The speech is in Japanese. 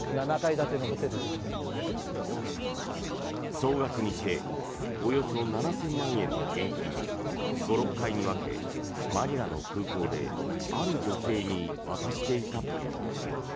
総額にしておよそ７０００万円の現金を５６回に分け、マニラの空港である女性に渡していたという。